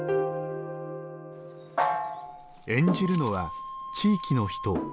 演じるのは地域の人。